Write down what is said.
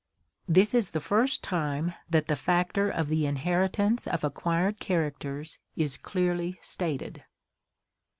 This is the first time that the factor of the inheritance of acquired characters is clearly stated.